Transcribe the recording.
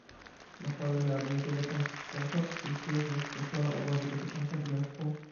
Na forum Rady wiele państw członkowskich również zgłaszało obawy dotyczące wniosku